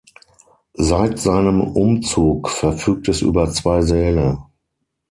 Seit seinem Umzug verfügt es über zwei Säle.